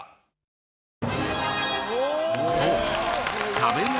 そう！